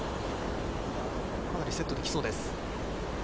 かなりセットできそうです。